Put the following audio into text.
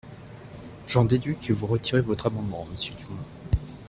J’en déduis que vous retirez votre amendement, monsieur Dumont.